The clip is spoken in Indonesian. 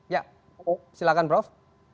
ya silakan prof